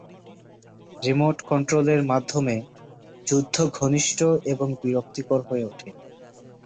Remote কন্ট্রোলের মাধ্যমে যুদ্ধ ঘনিষ্ঠ এবং বিরক্তিকর হয়ে ওঠে।